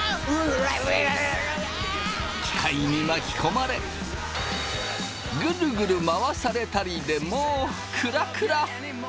機械に巻き込まれグルグル回されたりでもうクラクラ！